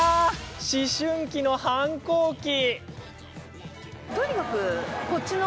思春期の反抗期！